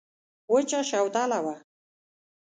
وچه شوتله وه.